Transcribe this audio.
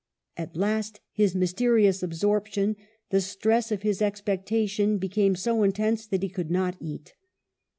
At last his mysterious absorption, the stress of his expectation, became so intense that he could not eat.